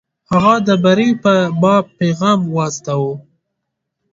هغه د بري په باب پیغام واستاوه.